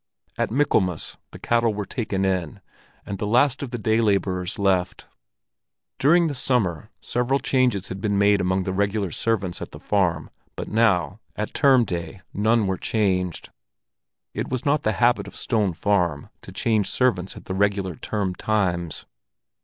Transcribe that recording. At Michaelmas, the cattle were taken in, and the last of the day laborers left. During the summer, several changes had been made among the regular servants at the farm, but now, at term day, none were changed; it was not the habit of Stone Farm to change servants at the regular term times.